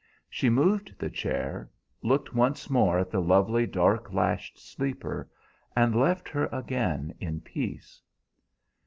She moved the chair, looked once more at the lovely dark lashed sleeper, and left her again in peace.